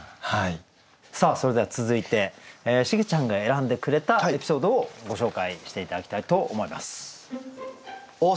さあそれでは続いてシゲちゃんが選んでくれたエピソードをご紹介して頂きたいと思います。